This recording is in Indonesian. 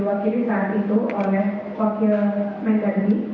diwakili saat itu oleh kokil mengeri